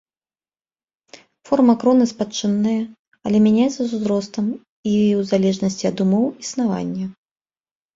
Форма кроны спадчынная, але мяняецца з узростам і ў залежнасці ад умоў існавання.